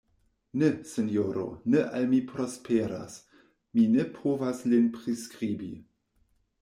Ne, sinjoro, ne al mi prosperas, mi ne povas lin priskribi.